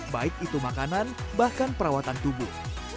baik itu makanan bahkan perawatan tubuh